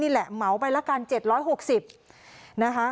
นี่แหละเมาไปละกัน๗๖๐บาทนะคะ